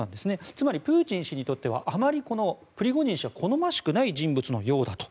つまり、プーチン氏にとってはあまりプリゴジン氏は好ましくない人物のようだと。